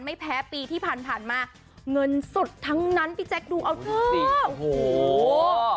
ไม่แพ้ปีที่ผ่านมาเงินสดทั้งนั้นพี่แจ๊คดูเอาเถอะโอ้โห